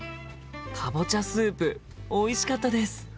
かぼちゃスープおいしかったです。